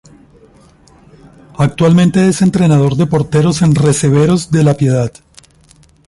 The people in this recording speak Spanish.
Actualmente es entrenador de porteros en Reboceros de La Piedad.